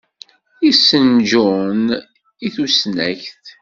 Yessen Jun i tusnakt.